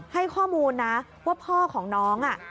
ให้ข้อมูลนะว่าพ่อของน้อง